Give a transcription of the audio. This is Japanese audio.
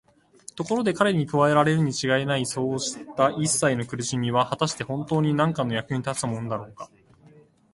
ところで彼に加えられるにちがいないそうしたいっさいの苦しみは、はたしてほんとうになんかの役に立つものだろうか。